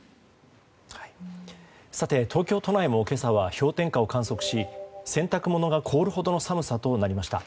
さて、東京都内も今朝は氷点下を観測し洗濯物が凍るほどの寒さとなりました。